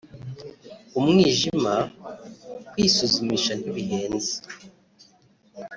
umwijima […] kwisuzumisha ntibihenze